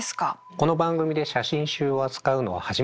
この番組で写真集を扱うのは初めてですね。